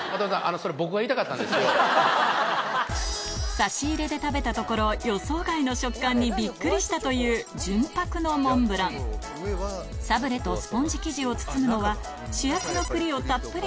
差し入れで食べたところ予想外の食感にびっくりしたという純白のモンブランサブレとスポンジ生地を包むのは主役の栗をたっぷり練り込んだ